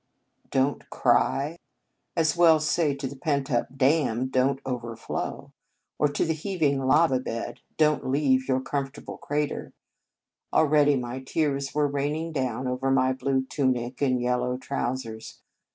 Don t cry! As well say to the pent up dam, " Don t overflow !" or to the heaving lava bed, " Don t leave 70 The Convent Stage your comfortable crater!" Already my tears were raining down over my blue tunic and yellow trousers.